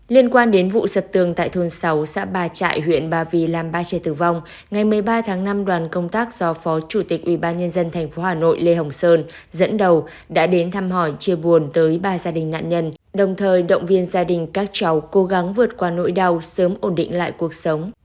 liên quan đến vụ sập tường tại thôn sáu xã ba trại huyện ba vì làm ba trẻ tử vong ngày một mươi ba tháng năm đoàn công tác do phó chủ tịch ubnd tp hà nội lê hồng sơn dẫn đầu đã đến thăm hỏi chia buồn tới ba gia đình nạn nhân đồng thời động viên gia đình các cháu cố gắng vượt qua nỗi đau sớm ổn định lại cuộc sống